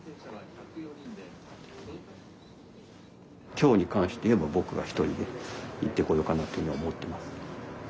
今日に関して言えば僕が一人で行ってこようかなというふうに思ってます。